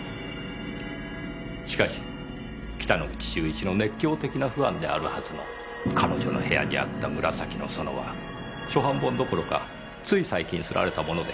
しかし北之口秀一の熱狂的なファンであるはずの彼女の部屋にあった『紫の園』は初版本どころかつい最近刷られたものでした。